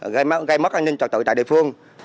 gây mất an ninh trật tự tại địa phương